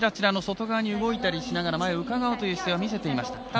外側に動いたりしながら前をうかがうという姿勢を見せていまた。